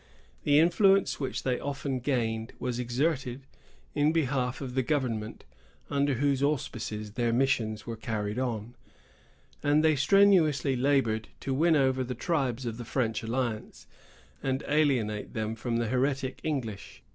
The influence which they often gained was exerted in behalf of the government under whose auspices their missions were carried on; and they strenuously labored to win over the tribes to the French alliance, and alienate them from the heretic English.